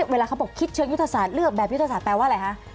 เวลาเขาบอกคิดเชิงยุทธศาสตร์เลือกแบบยุทธศาสตแปลว่าอะไรคะ